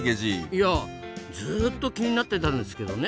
いやずっと気になってたんですけどね